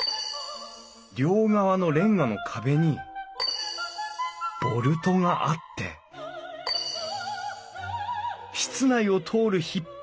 両側のれんがの壁にボルトがあって室内を通る引張